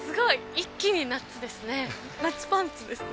一気に夏ですね。